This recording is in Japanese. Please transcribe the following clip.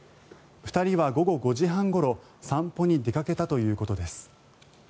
２人は午後５時半ごろ散歩に出かけたということです。